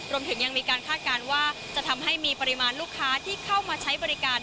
รวมถึงยังมีการคาดการณ์ว่าจะทำให้มีปริมาณลูกค้าที่เข้ามาใช้บริการ